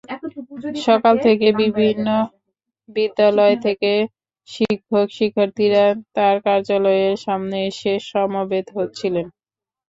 সকাল থেকে বিভিন্ন বিদ্যালয় থেকে শিক্ষক-শিক্ষার্থীরা তাঁর কার্যালয়ের সামনে এসে সমবেত হচ্ছিলেন।